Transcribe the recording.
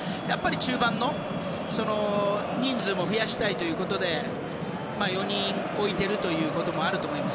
中盤の人数も増やしたいということで４人置いてるということもあると思います。